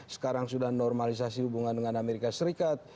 sekarang sudah normalisasi hubungan dengan amerika serikat